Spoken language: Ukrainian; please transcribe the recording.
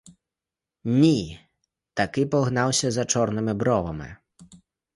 Ні, таки погнався за чорними бровами!